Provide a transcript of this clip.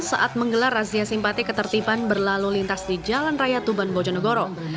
saat menggelar razia simpati ketertiban berlalu lintas di jalan raya tuban bojonegoro